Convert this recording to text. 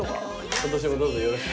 今年もどうぞよろしく。